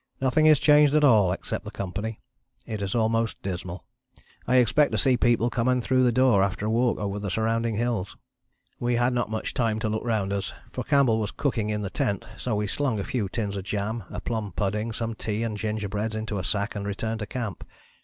Nothing is changed at all except the company. It is almost dismal. I expect to see people come in through the door after a walk over the surrounding hills. "We had not much time to look round us; for Campbell was cooking in the tent, so we slung a few tins of jam, a plum pudding, some tea, and gingerbreads into a sack, and returned to camp.